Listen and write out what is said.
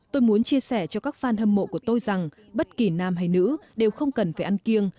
tôi muốn chia sẻ cho các fan hâm mộ của tôi rằng bất kỳ nam hay nữ đều không cần phải ăn kiêng